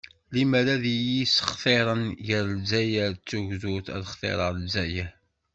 "Limer ad iyi-ssextiṛen gar Lezzayer d tugdut, ad xtireɣ Lezzayer."